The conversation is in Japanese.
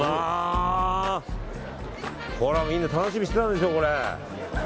これ、みんな楽しみにしてたんでしょう。